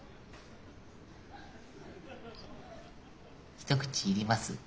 一口いります？